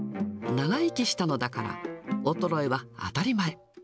長生きしたのだから、衰えは当たり前。